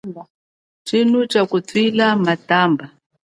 Tshino tsha kutwila matamba.